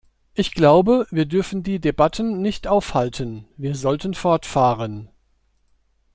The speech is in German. Ich glaube, wir dürfen die Debatten nicht aufhalten, wir sollten fortfahren.